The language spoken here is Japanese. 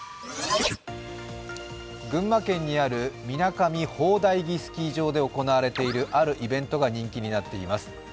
群馬県にあるみなかみほうだいぎスキー場で行われているあるイベントが人気になっています。